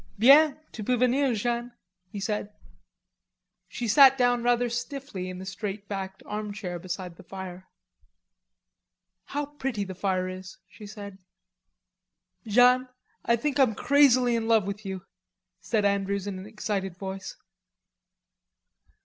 "Bien. Tu peux venir, Jeanne," he said. She sat down rather stiffly in the straight backed armchair beside the fire. "How pretty the fire is," she said. "Jeanne, I think I'm crazily in love with you," said Andrews in an excited voice.